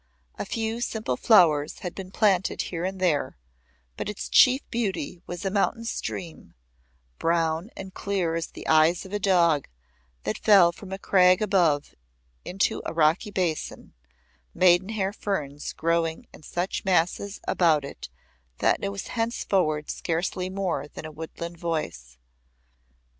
A few simple flowers had been planted here and there, but its chief beauty was a mountain stream, brown and clear as the eyes of a dog, that fell from a crag above into a rocky basin, maidenhair ferns growing in such masses about it that it was henceforward scarcely more than a woodland voice.